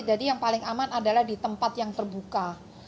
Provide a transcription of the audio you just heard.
jadi yang paling aman adalah di tempat yang terbuka